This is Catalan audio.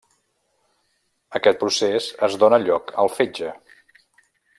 Aquest procés es dóna lloc al fetge.